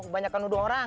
banyak yang nuduh orang